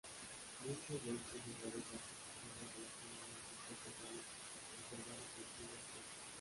Muchos de estos lugares han sufrido relativamente pocos daños, conservando su antiguo aspecto.